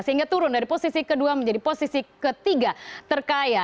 sehingga turun dari posisi kedua menjadi posisi ketiga terkaya